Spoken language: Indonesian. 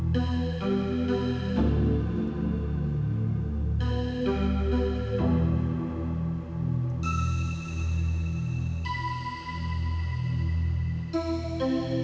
kamu bisa di para kantor